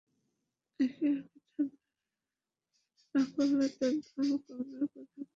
এঁকে আগে ঠাণ্ডা না করলে, তোর ধর্মকর্মের কথা কেউ নেবে না।